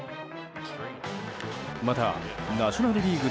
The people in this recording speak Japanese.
また、ナショナル・リーグ